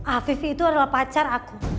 hafifi itu adalah pacar aku